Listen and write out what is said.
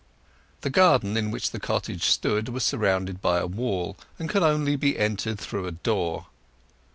The garden in which the cottage stood was surrounded by a wall, and could only be entered through a door.